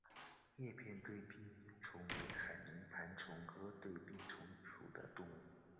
叶片对臂虫为海绵盘虫科对臂虫属的动物。